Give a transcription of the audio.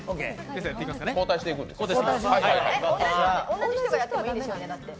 同じ人がやってもいいんですよね？